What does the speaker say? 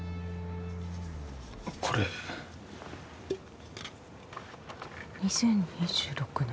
これ２０２６年？